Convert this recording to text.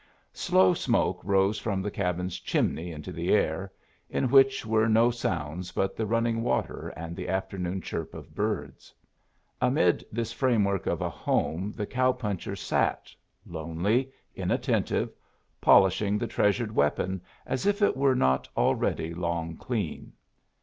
Slow smoke rose from the cabin's chimney into the air, in which were no sounds but the running water and the afternoon chirp of birds. Amid this framework of a home the cow puncher sat, lonely, inattentive, polishing the treasured weapon as if it were not already long clean.